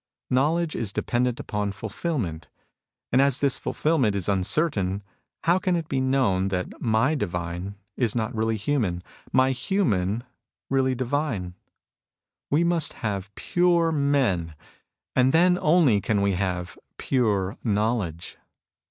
Knowledge is dependent upon fulfilment. And as this fulfil ment is uncertain, how can it be known that my divine is not really human, my human really divine ? We must have pure men, and then only can we have pure knowledge.